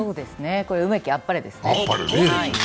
これ梅木、あっぱれですね。